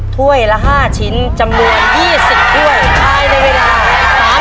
ถ้วยละห้าชิ้นจำนวนยี่สิบถ้วยท้ายในเวลาสามนาทีก่อน